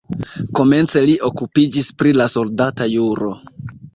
Komence li okupiĝis pri la soldata juro.